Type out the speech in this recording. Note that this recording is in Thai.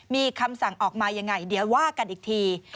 มีคำสั่งออกมายังไงเดี๋ยวว่ากันอีกที